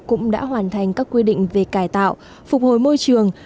cũng đã hoàn thành các quy định về cải tạo phục hồi môi trường